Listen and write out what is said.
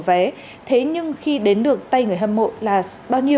vé bốn trăm linh nghìn này thì là bán bốn triệu